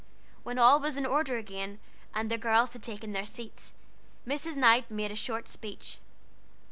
When all was in order again, and the girls had taken their seats, Mrs. Knight made a short speech.